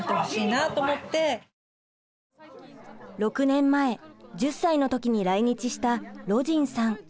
６年前１０歳の時に来日したロジンさん。